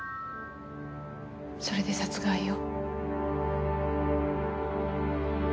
それで殺害を？